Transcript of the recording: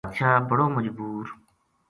بادشاہ بڑو مجبور